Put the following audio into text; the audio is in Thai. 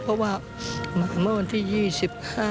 เพราะว่าเมื่อวันที่๒๕